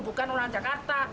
bukan orang jakarta